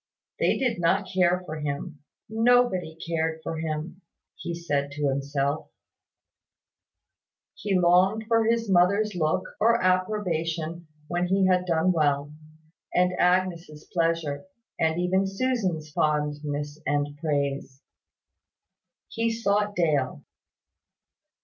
They did not care for him, nobody cared for him, he said to himself; he longed for his mother's look or approbation when he had done well, and Agnes' pleasure, and even Susan's fondness and praise. He sought Dale.